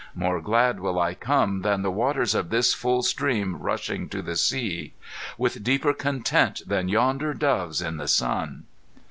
More glad will I come than the waters of this full stream rushing to the sea! With deeper content than yonder doves in the sun!"